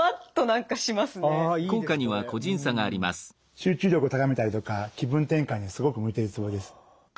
集中力を高めたりとか気分転換にすごく向いてるツボです。